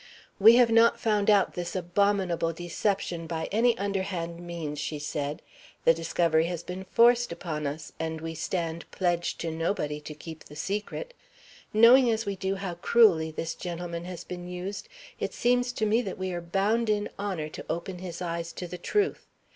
"We have not found out this abominable deception by any underhand means," she said. "The discovery has been forced upon us, and we stand pledged to nobody to keep the secret. Knowing as we do how cruelly this gentleman has been used, it seems to me that we are bound in honor to open his eyes to the truth.